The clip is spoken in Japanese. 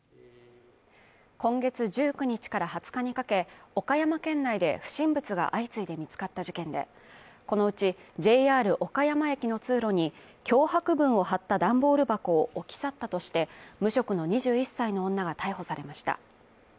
今月１９日から２０日にかけ、岡山県内で不審物が相次いで見つかった事件で、このうちＪＲ岡山駅の通路に脅迫文を貼ったダンボール箱を置き去ったとして、無職の２１歳の女が逮捕されました。